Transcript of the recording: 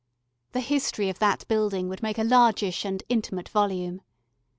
The history of that building would make a largish and intimate volume.